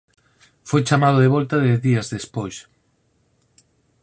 Foi chamado de volta dez días despois.